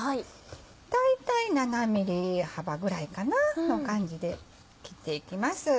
大体７ｍｍ幅ぐらいかな？の感じで切っていきます。